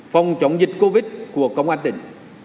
phòng chống dịch covid của công an tỉnh